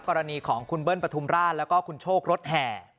กรณีของคุณเบิ้ลปฐุมราชแล้วก็คุณโชครถแห่